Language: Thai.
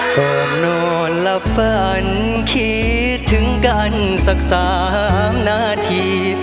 ก่อนนอนหลับฝันคิดถึงกันสัก๓นาที